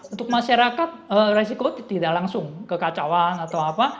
untuk masyarakat resiko tidak langsung kekacauan atau apa